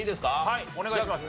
はいお願いします。